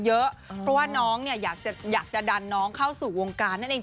เพราะว่าน้องเนี่ยอยากจะดันน้องเข้าสู่วงการนั่นเอง